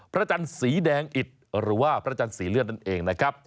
พระจันทร์สีแดงอิดหรือว่าพระจันทร์สีเลือดนั่นเองนะครับ